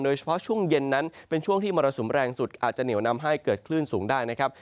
ช่วงเย็นนั้นเป็นช่วงที่มรสุมแรงสุดอาจจะเหนียวนำให้เกิดคลื่นสูงได้นะครับ